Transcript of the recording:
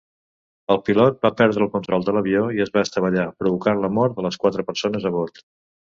El pilot va perdre el control de l'avió i es va estavellar, provocant la mort de les quatre persones a bord.